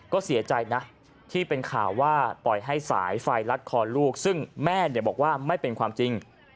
ก็เสียใจนะที่เป็นข่าวว่าปล่อยให้สายไฟลัดคอลูกซึ่งแม่บอกว่าไม่เป็นความจริง